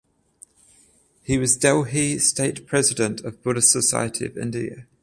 He was Delhi state president of Buddhist Society of India.